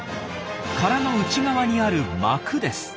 殻の内側にある膜です。